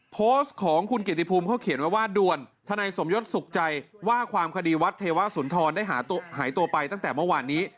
โพสต์ของคุณเกียรติภูมิเขาเขียนไว้ว่าด่วนทนายสมยศสุขใจว่าความคดีวัดเทวสุนทรได้หายตัวไปตั้งแต่เมื่อวานนี้